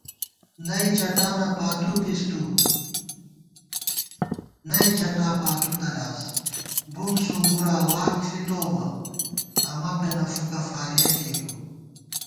نئ چٹانہ پاتُو بِس تُو، نئ چٹا پاتُو تلاس * بُم سُونگُرا واک ݪِتوؤ بہ، امہ پېنہ فُوکہ فارِیَہ کېرِیؤ